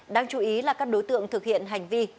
đáng chú ý là các đối tượng thực hiện hành vi